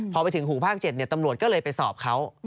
พอไปถึงหูภาค๗ตำรวจก็เลยไปสอบเขา